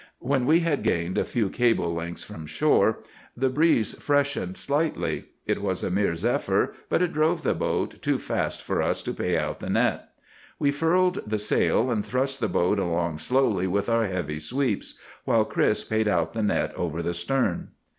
"When we had gained a few cable lengths from shore the breeze freshened slightly. It was a mere zephyr, but it drove the boat too fast for us to pay out the net. We furled the sail, and thrust the boat along slowly with our heavy sweeps, while Chris paid out the net over the stern.